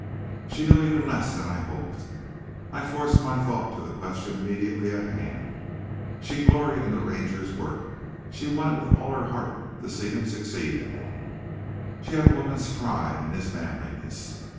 She knew even less than I hoped. I forced my thought to the question immediately at hand. She gloried in the Ranger's work. She wanted with all her heart to see him succeed in it. She had a woman's pride in his manliness.